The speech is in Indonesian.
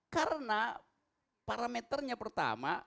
karena parameternya pertama